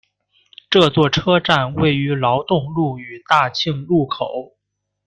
这座车站位于劳动路与大庆路口。